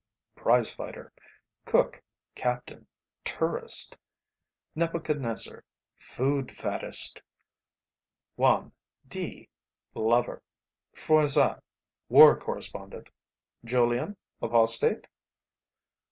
prize fighter; Cook, Captain, tourist; Nebuchadnezzar, food faddist; Juan, D., lover; Froissart, war correspondent; Julian, apostate?"